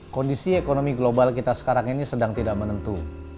kondisi ekonomi global kita sekarang ini sedang tidak menentu